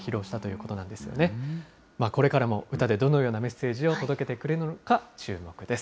これからも歌でどのようなメッセージを届けてくれるのか、注目です。